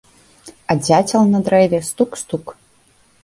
А дзяцел на дрэве стук-стук.